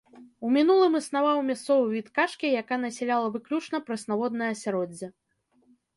У мінулым існаваў мясцовы від качкі, якая насяляла выключна прэснаводнае асяроддзе.